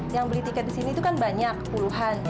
yang beli tiket di sini itu kan banyak puluhan